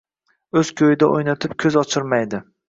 O‘z ko‘yida o‘ynatib ko‘z ochirmaydi.